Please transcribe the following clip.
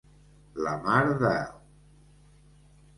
La mar de.